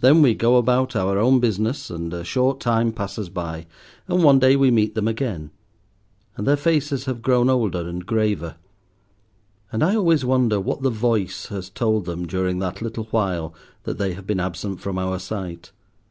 Then we go about our own business, and a short time passes by; and one day we meet them again, and their faces have grown older and graver; and I always wonder what the Voice has told them during that little while that they have been absent from our sight.